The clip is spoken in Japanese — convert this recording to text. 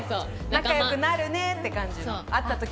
仲良くなるねって感じの。